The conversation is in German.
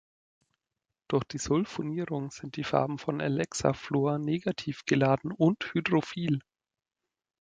Durch die Sulfonierung sind die Farben von Alexa Fluor negativ geladen und hydrophil.